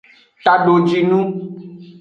Tadojinu.